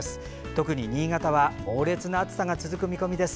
特に新潟は猛烈な暑さが続く見込みです。